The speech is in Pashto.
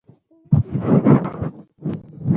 ښوونکي د ټولنې روزونکي دي